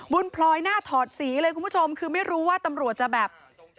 พลอยหน้าถอดสีเลยคุณผู้ชมคือไม่รู้ว่าตำรวจจะแบบ